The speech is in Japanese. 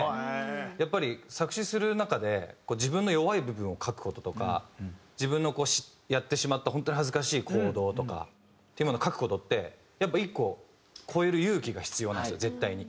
やっぱり作詞する中で自分の弱い部分を書く事とか自分のやってしまったホントに恥ずかしい行動とかっていうものを書く事ってやっぱ一個越える勇気が必要なんですよ絶対に。